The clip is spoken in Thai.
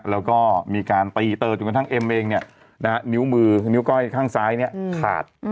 แล้วก็มีการตีเตอร์จนกระทั่งเอ็มเองนิ้วมือนิ้วก้อยข้างซ้ายขาด